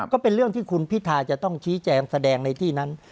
ก็เป็นเรื่องที่คุณพิทาจะต้องชี้แจงแสดงในที่นั้น